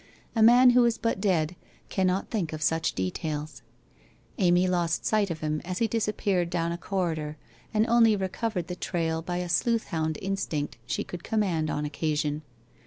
A man who is but dead, cannot think of such details. Amy lost sight of him as he disappeared down a corridor and only recovered the trail by a sleuth hound instinct she could command on occasion.